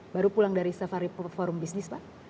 baru pulang dari safari forum bisnis pak